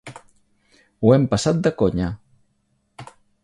Ho hem passat de conya.